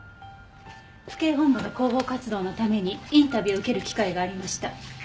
府警本部の広報活動のためにインタビューを受ける機会がありました。